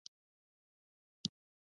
چې له ازادۍ وروسته یې ازادي ساتلې وي.